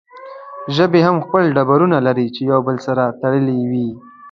ژبې هم خپل ټبرونه لري چې يو بل سره تړلې وي